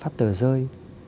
phát tờ rơi